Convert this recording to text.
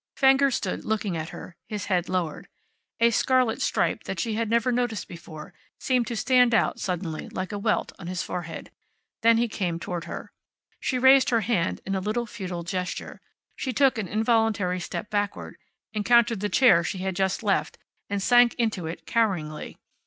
Fenger stood looking at her, his head lowered. A scarlet stripe, that she had never noticed before, seemed to stand out suddenly, like a welt, on his forehead. Then he came toward her. She raised her hand in a little futile gesture. She took an involuntary step backward, encountered the chair she had just left, and sank into it coweringly.